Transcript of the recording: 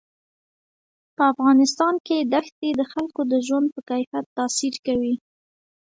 په افغانستان کې دښتې د خلکو د ژوند په کیفیت تاثیر کوي.